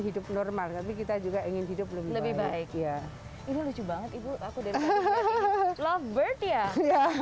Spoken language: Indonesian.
hidup normal tapi kita juga ingin hidup lebih baik ya ini lucu banget ibu aku dari lovebird ya